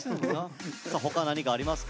他何かありますか？